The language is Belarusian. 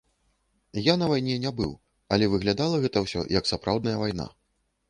Я на вайне не быў, але выглядала гэта ўсё, як сапраўдная вайна.